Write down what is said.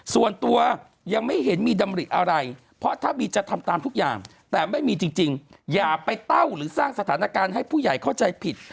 ส่วนตัวยังไม่เห็นมีดำริอะไรเพราะถ้าบีจะทำตามทุกอย่างแต่ไม่มีจริงอย่าไปเต้าหรือสร้างสถานการณ์ให้ผู้ใหญ่เข้าใจผิด